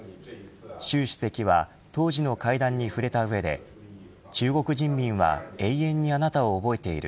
習主席は当時の会談に触れた上で中国人民は永遠にあなたを覚えている。